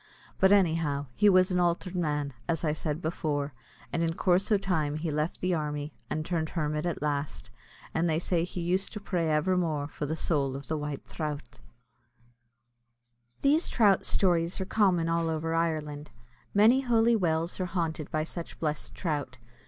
But anyhow, he was an altered man, as I said before, and in coorse o' time he left the army, and turned hermit at last; and they say he used to pray evermore for the soul of the White Throut. [These trout stories are common all over Ireland. Many holy wells are haunted by such blessed trout.